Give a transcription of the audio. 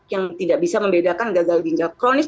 yang tidak bisa membedakan gagal ginjal kronis